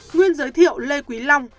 nguyên giới thiệu lê quý long